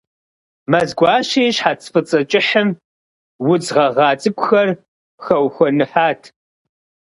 Мэзгуащэ и щхьэц фӏыцӏэ кӏыхьым удз гъэгъа цӏыкӏухэр хэухуэныхьат.